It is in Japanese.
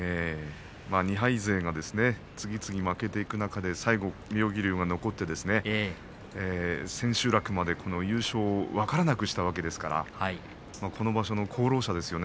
２敗勢が次々負けていく中で妙義龍が残って千秋楽まで優勝、分からなくしたわけですからこの場所の功労者ですよね。